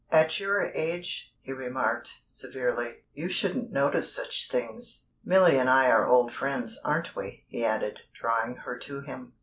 "At your age," he remarked, severely, "you shouldn't notice such things. Milly and I are old friends, aren't we?" he added, drawing her to him.